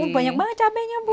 banyak banget cabainya bu